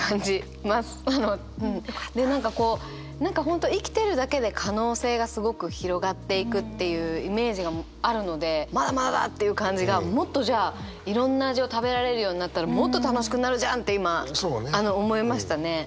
で何かこう何か本当生きてるだけで可能性がすごく広がっていくっていうイメージがあるのでまだまだだっていう感じがもっとじゃあいろんな味を食べられるようになったらもっと楽しくなるじゃんって今思いましたね。